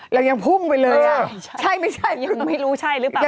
เรายังพุ่มไปเลยใช่มั้ยใช่ยังไม่รู้ใช่หรือป่ะ